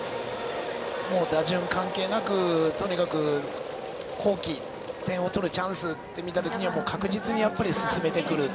打順関係なくとにかく好機点を取るチャンスを見たときは確実に進めてくる。